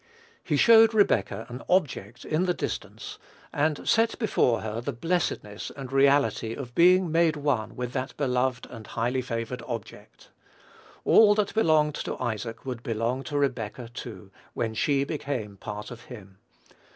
He showed Rebekah an object in the distance, and set before her the blessedness and reality of being made one with that beloved and highly favored object. All that belonged to Isaac would belong to Rebekah too, when she became part of him.